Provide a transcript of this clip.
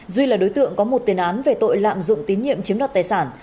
duy là đối tượng có một tiền án về tội lạm dụng tín nhiệm chiếm đoạt tài sản